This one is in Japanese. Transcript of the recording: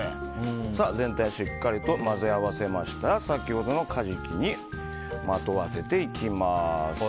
全体しっかりと混ぜ合わせましたら先ほどのカジキにまとわせていきます。